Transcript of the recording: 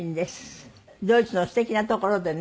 ドイツの素敵な所でね